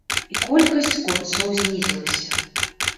І колькасць курцоў знізілася.